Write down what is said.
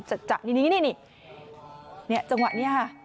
จะนี่จังหวะนี้ค่ะ